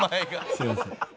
すいません。